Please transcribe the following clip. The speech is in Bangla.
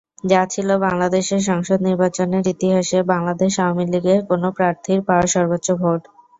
যা ছিল বাংলাদেশের সংসদ নির্বাচনের ইতিহাসে বাংলাদেশ আওয়ামী লীগের কোন প্রার্থীর পাওয়া সর্বোচ্চ ভোট।